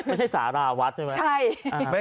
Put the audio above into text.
ไม่ใช่สารวัฒน์ใช่ไหม